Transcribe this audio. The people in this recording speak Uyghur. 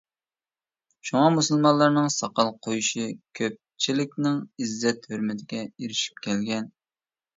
شۇڭا مۇسۇلمانلارنىڭ ساقال قويۇشى كۆپچىلىكنىڭ ئىززەت-ھۆرمىتىگە ئېرىشىپ كەلگەن.